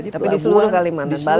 tapi di seluruh kalimantan